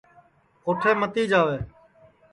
اُوٹھے متی جاوے